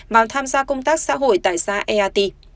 và tham gia công tác xã hội tại xã eat